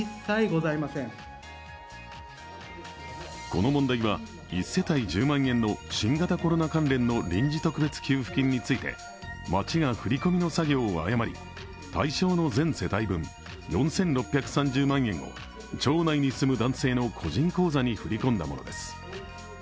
この問題は、一世帯１０万円の新型コロナ関連の臨時特別給付金について町が振り込みの作業を誤り対象の全世帯分４６３０万円を町内に住む男性の個人口座に振り込んだものです。